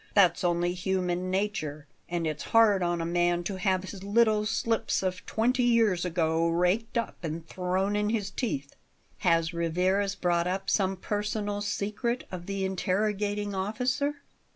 That's only human nature, and it's hard on a man to have his little slips of twenty years ago raked up and thrown in his teeth " "Has Rivarez brought up some personal secret of the interrogating officer?"